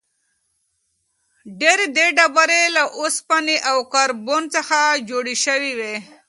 ډېری دا ډبرې له اوسپنې او کاربن څخه جوړې شوې وي.